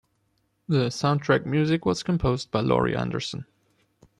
The soundtrack music was composed by Laurie Anderson.